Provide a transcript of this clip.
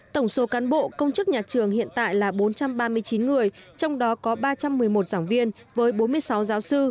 tổng số cán bộ công chức nhà trường hiện tại là bốn trăm ba mươi chín người trong đó có ba trăm một mươi một giảng viên với bốn mươi sáu giáo sư